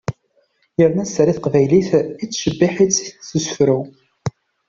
Yerna sser i teqbaylit, ittcebbiḥ-itt s usefru.